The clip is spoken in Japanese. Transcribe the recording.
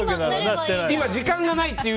今時間がないっていう。